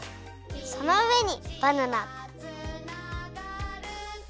そのうえにバナナ。